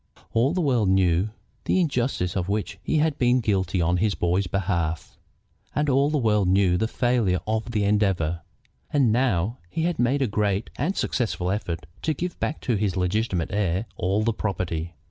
All the world knew the injustice of which he had been guilty on his boy's behalf, and all the world knew the failure of the endeavor. And now he had made a great and a successful effort to give back to his legitimate heir all the property.